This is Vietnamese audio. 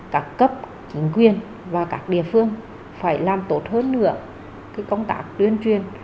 các cấp chính quyền và các địa phương phải làm tốt hơn nữa công tác tuyên truyền